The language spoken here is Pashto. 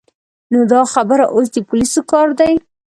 نو دا خبره اوس د پولیسو کار دی.